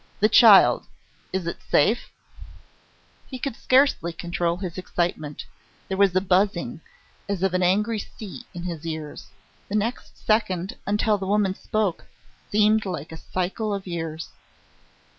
"The child? Is it safe?" He could scarcely control his excitement. There was a buzzing, as of an angry sea, in his ears. The next second, until the woman spoke, seemed like a cycle of years.